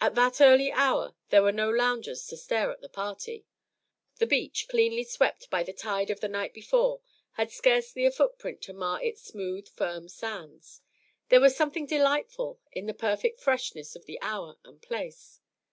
At that early hour there were no loungers to stare at the party. The beach, cleanly swept by the tide of the night before, had scarcely a footprint to mar its smooth, firm sands. There was something delightful in the perfect freshness of the hour and place.